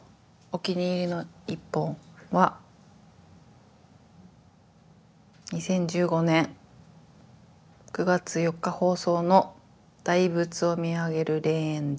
お気に入りの１本は２０１５年９月４日放送の「大仏を見上げる霊園で」です。